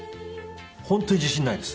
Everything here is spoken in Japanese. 本当に自信ないです。